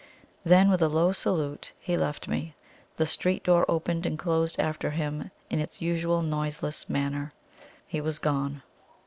Then, with a low salute, he left me. The street door opened and closed after him in its usual noiseless manner. He was gone.